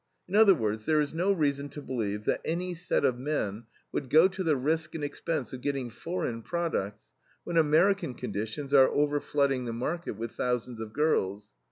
In other words, there is no reason to believe that any set of men would go to the risk and expense of getting foreign products, when American conditions are overflooding the market with thousands of girls.